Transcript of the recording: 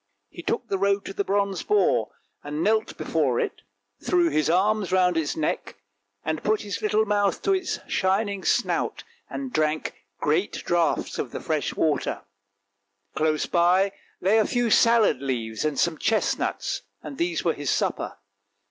He took the road to the bronze boar, knelt before it, threw his arms round its neck, and put his little mouth to its shining snout and drank great draughts of the fresh water. Close by lay a few salad leaves and some chestnuts, and these were his supper.